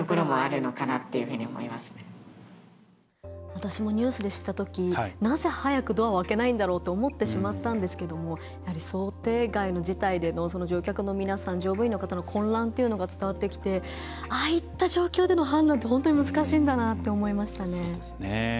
私もニュースで知ったときなぜ、早くドアを開けないんだろうって思ってしまったんですけどもやはり、想定外の事態での乗客の皆さん乗務員の方の混乱っていうのが伝わってきてああいった状況での判断って本当に難しいんだなって思いましたね。